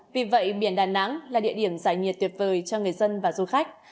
vì vậy biển đà nẵng là địa điểm giải nhiệt tuyệt vời cho người dân và du khách